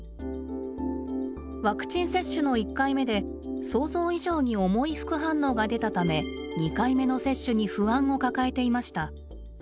ワクチン接種の１回目で想像以上に重い副反応が出たため２回目の接種に不安を抱えていました。